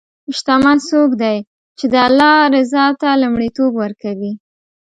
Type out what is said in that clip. شتمن څوک دی چې د الله رضا ته لومړیتوب ورکوي.